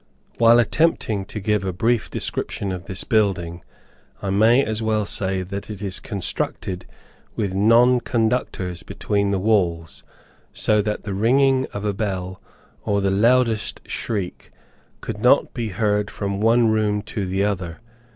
While attempting to give a brief description of this building, I may as well say that it is constructed with non conductors between the walls, so that the ringing of a bell, or the loudest shriek, could not be heard from one room to the other.